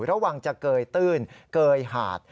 ระวังจะเกยตื้นเกยหาด